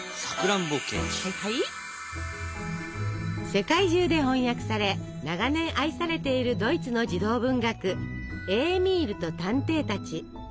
世界中で翻訳され長年愛されているドイツの児童文学「エーミールと探偵たち」。